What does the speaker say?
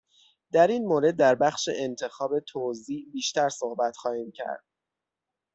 در این مورد در بخش انتخاب توزیع بیشتر صحبت خواهیم کرد.